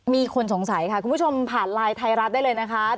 มีคนสงสัยค่ะคุณผู้ชมผ่านไลน์ไทยรัฐได้เลยนะคะ